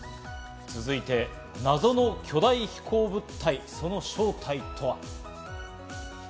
続いて、謎の巨大飛行物体、その正体とは？